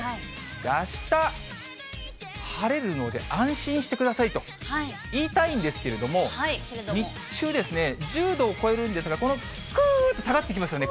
あした、晴れるので安心してくださいと言いたいんですけれども、日中、１０度を超えるんですが、この、くーっと下がってきますよね。